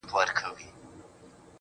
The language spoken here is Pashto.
بيا دې د سندرو سره پښه وهمه,